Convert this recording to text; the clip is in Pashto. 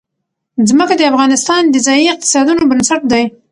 ځمکه د افغانستان د ځایي اقتصادونو بنسټ دی.